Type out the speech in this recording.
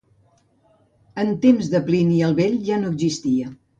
En temps de Plini el Vell ja no existia.